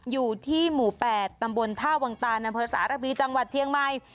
อยู่ที่หมู่แปดตำบลท่าวังตานำพลศาสตร์รักษณีย์จังหวัดเทียงใหม่